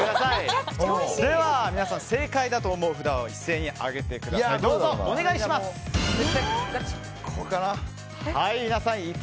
皆さん、正解だと思う札を一斉に上げてください。